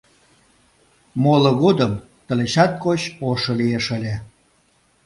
Моло годым тылечат коч ошо лиеш ыле.